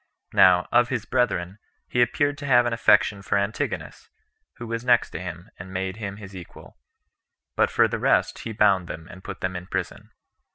Now, of his brethren, he appeared to have an affection for Antigonus, who was next to him, and made him his equal; but for the rest, he bound them, and put them in prison.